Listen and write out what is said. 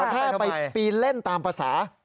ถ้าไปปีนเล่นตามภาษา